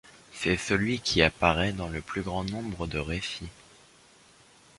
C'est celui qui apparaît dans le plus grand nombre de récits.